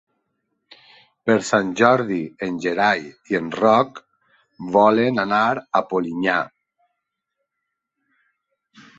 Per Sant Jordi en Gerai i en Roc volen anar a Polinyà.